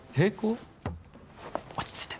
落ち着いて。